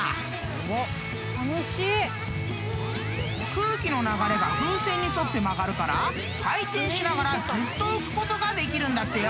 ［空気の流れが風船に沿って曲がるから回転しながらずっと浮くことができるんだってよ］